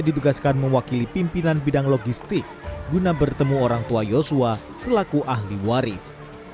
ditugaskan mewakili pimpinan bidang logistik guna bertemu orang tua yosua selaku ahli waris